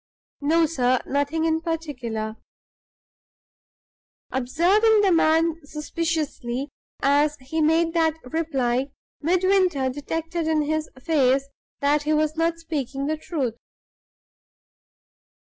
"No, sir; nothing in particular." Observing the man suspiciously as he made that reply, Midwinter detected in his face that he was not speaking the truth.